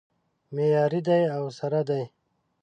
معیاري دی او سره دی